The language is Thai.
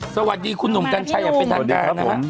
สวัสดีคุณหนุ่มกันชัยอย่าไปท่านกล้านะครับ